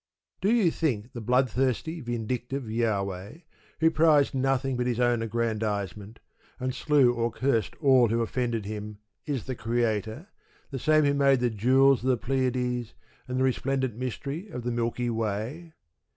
Do you think the bloodthirsty vindictive Jahweh, who prized nothing but his own aggrandisement, and slew or cursed all who offended him, is the Creator, the same who made the jewels of the Pleiades, and the resplendent mystery of the Milky Way?